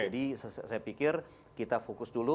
jadi saya pikir kita fokus dulu